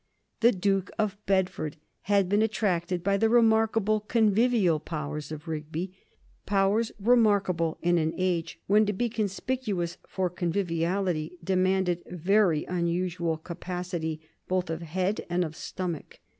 The Duke of Bedford had been attracted by the remarkable convivial powers of Rigby, powers remarkable in an age when to be conspicuous for conviviality demanded very unusual capacity both of head and of stomach.